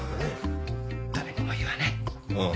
誰にも言わない？ああ。